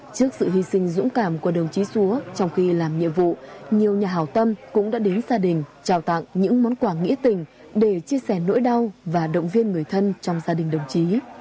trước sự hy sinh dũng cảm của đồng chí xúa trong khi làm nhiệm vụ nhiều nhà hào tâm cũng đã đến gia đình trao tặng những món quà nghĩa tình để chia sẻ nỗi đau và động viên người thân trong gia đình đồng chí